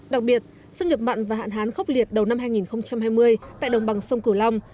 đặc biệt xâm nhập mặn và hạn hán khốc liệt đầu năm hai nghìn hai mươi tại đồng bằng sông cửu long